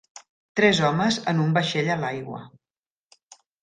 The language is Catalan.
Tres homes en un vaixell a l'aigua.